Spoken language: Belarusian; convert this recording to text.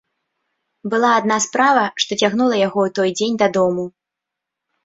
Была адна справа, што цягнула яго ў той дзень дадому.